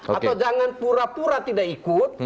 atau jangan pura pura tidak ikut